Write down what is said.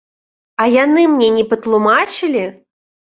А яны мне не патлумачылі!